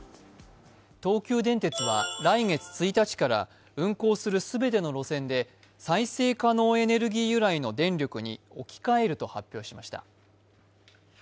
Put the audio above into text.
東急電鉄は来月１日から運行する全ての路線で再生可能エネルギー由来の電力に置き換えると発表しました。